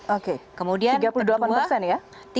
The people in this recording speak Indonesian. oke kemudian tiga puluh delapan persen ya